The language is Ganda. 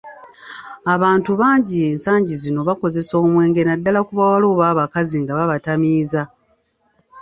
Abantu bangi ensangi zino bakozesa omwenge naddala ku bawala oba abakazi nga babatamiiza.